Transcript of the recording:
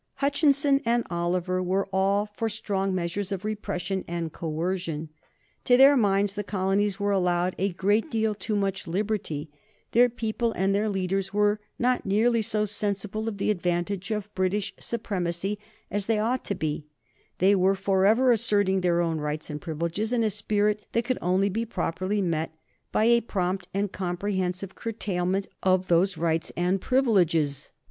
Hutchinson and Oliver were all for strong measures of repression and coercion. To their minds the colonies were allowed a great deal too much liberty; their people and their leaders were not nearly so sensible of the advantage of British supremacy as they ought to be; they were forever asserting their own rights and privileges in a spirit that could only be properly met by a prompt and comprehensive curtailment of those rights and privileges.